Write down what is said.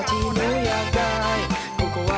เตรียมตัวครับ